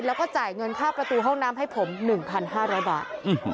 แล้วก็จ่ายเงินค่าประตูห้องน้ำให้ผม๑๕๐๐บาท